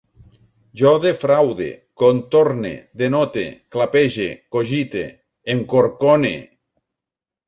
Jo defraude, contorne, denote, clapege, cogite, em corcone